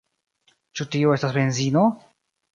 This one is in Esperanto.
Ĉu tio estas benzino?